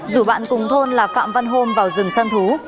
rủ bạn cùng thôn là phạm văn hôm vào rừng xem thú